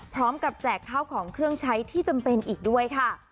แจกข้าวของเครื่องใช้ที่จำเป็นอีกด้วยค่ะ